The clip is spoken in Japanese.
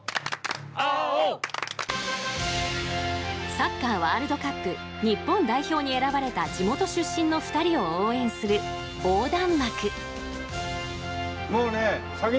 サッカーワールドカップ日本代表に選ばれた地元出身の２人を応援する横断幕。